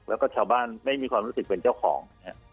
แล้วก็ชาวบ้านไม่มีความรู้สึกเป็นเจ้าของ